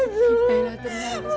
aku bukan begitu